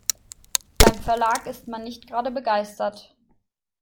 Beim Verlag ist man nicht gerade begeistert.